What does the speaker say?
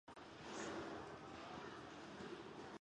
拉岑是德国下萨克森州的一个市镇。